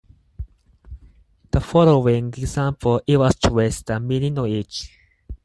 The following example illustrates the meaning of each.